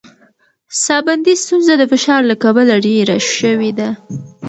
ساه بندي ستونزه د فشار له کبله ډېره شوې ده.